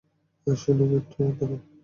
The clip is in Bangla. শোনো, বিট্টো, দাঁড়াও!